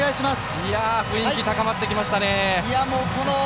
雰囲気、高まってきましたね。